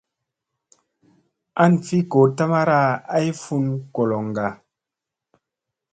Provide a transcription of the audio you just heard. An fi goo tamara ay fun goloŋga.